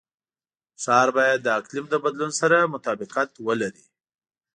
ښار باید د اقلیم د بدلون سره مطابقت ولري.